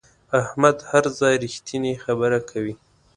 احمد هر ځای رښتینې خبره کوي.